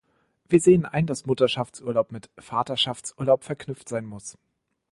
Wir sehen ein, dass Mutterschaftsurlaub mit Vaterschaftsurlaub verknüpft sein muss.